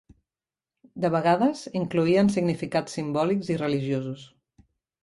De vegades incloïen significats simbòlics i religiosos.